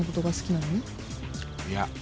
いや。